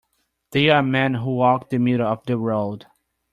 They are men who walk the middle of the road.